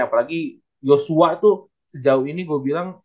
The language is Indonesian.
apalagi joshua tuh sejauh ini gue bilang